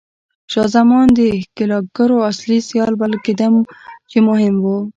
شاه زمان د ښکېلاګرانو اصلي سیال بلل کېده چې مهم و.